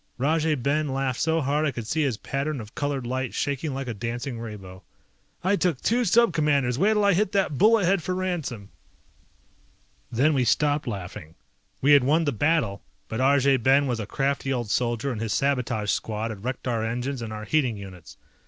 Rajay Ben laughed so hard I could see his pattern of colored light shaking like a dancing rainbow. "I took two Sub Commanders, wait'll I hit that bullet head for ransom!" Then we stopped laughing. We had won the battle, but Arjay Ben was a crafty old soldier and his sabotage squad had wrecked our engines and our heating units.